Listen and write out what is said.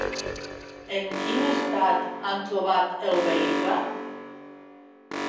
En quin estat han trobat el vehicle?